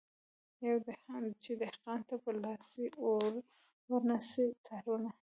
چي دهقان ته په لاس ورنه سي تارونه